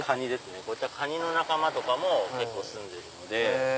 こういったカニの仲間とかも結構すんでるんで。